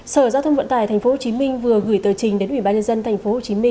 sở giao thông vận tải tp hcm vừa gửi tờ trình đến ủy ban nhân dân tp hcm